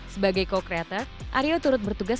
sebagai co creator aryo turut bertugas pembuatan komik star wars